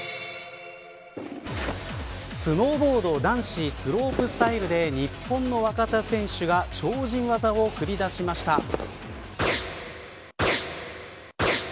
スノーボード男子スロープスタイルで日本の若手選手が超人技を繰り出しました。